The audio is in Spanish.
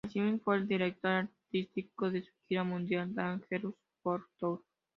Asimismo fue el director artístico de su gira mundial Dangerous World Tour.